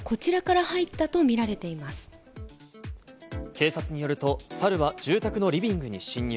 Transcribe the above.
警察によると、サルは住宅のリビングに侵入。